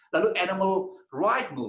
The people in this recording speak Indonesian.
lalu pergerakan berlari animal